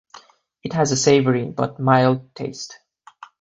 It has a savory, but mild taste.